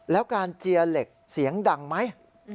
แล้วการเจียเหล็กเสียงดังไหม